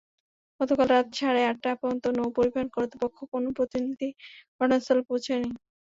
গতকাল রাত সাড়ে আটটা পর্যন্ত নৌপরিবহন কর্তৃপক্ষের কোনো প্রতিনিধি ঘটনাস্থলে পৌঁছাননি।